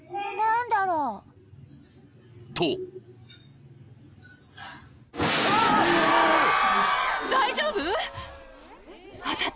・［と］大丈夫？